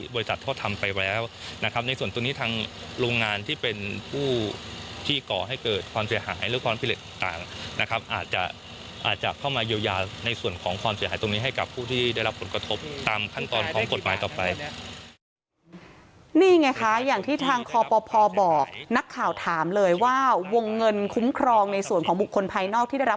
ในส่วนตัวนี้ทางโรงงานที่เป็นผู้ที่ก่อให้เกิดความเสียหายหรือความผิดต่างนะครับอาจจะเข้ามาเยียวยาในส่วนของความเสียหายตรงนี้ให้กับผู้ที่ได้รับผลกระทบตามขั้นตอนของกฎหมายต่อไปนี่ไงคะอย่างที่ทางคอปภบอกนักข่าวถามเลยว่าวงเงินคุ้มครองในส่วนของบุคคลภายนอกที่ได้รับ